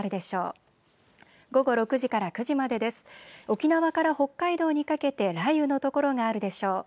沖縄から北海道にかけて雷雨の所があるでしょう。